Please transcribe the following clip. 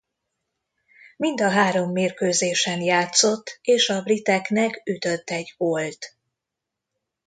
Mind a három mérkőzésen játszott és a briteknek ütött egy gólt.